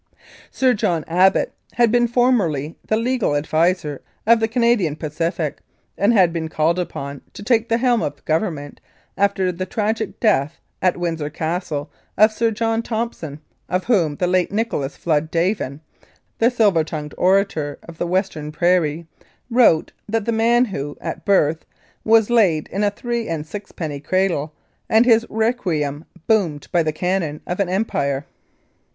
Sir John Abbott had been formerly the legal adviser of the Canadian Pacific, and had been called upon to take the helm of Government after the tragic death at Windsor Castle of Sir John Thompson, of whom the late Nicholas Flood Davin, "the silver tongued orator of the Western prairie," wrote, that the man who, at birth, was laid in a three and sixpenny cradle, had his requiem boomed by the cannon of an Empire.